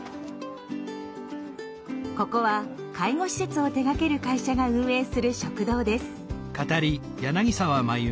ここは介護施設を手がける会社が運営する食堂です。